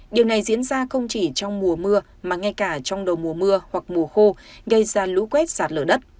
điều này diễn ra không chỉ trong mùa mưa mà ngay cả trong đầu mùa mưa hoặc mùa khô gây ra lũ quét sạt lở đất